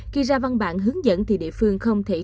khi ra văn bản hướng dẫn thì địa phương không thể